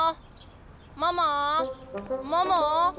ママママ。